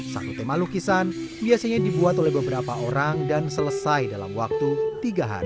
satu tema lukisan biasanya dibuat oleh beberapa orang dan selesai dalam waktu tiga hari